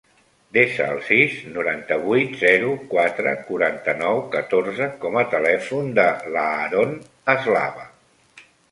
Desa el sis, noranta-vuit, zero, quatre, quaranta-nou, catorze com a telèfon de l'Aaron Eslava.